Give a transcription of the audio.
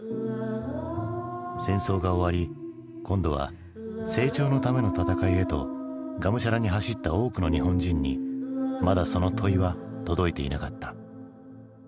戦争が終わり今度は成長のための闘いへとがむしゃらに走った多くの日本人にまだその問いは届いていなかった。